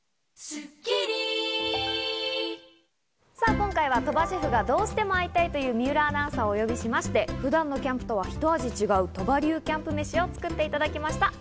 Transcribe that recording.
今回は鳥羽シェフがどうしても会いたいという水卜アナウンサーをお呼びしまして、普段のキャンプとは一味違う、鳥羽流キャンプ飯を作っていただきました。